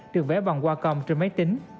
được vẽ bằng wacom trên máy tính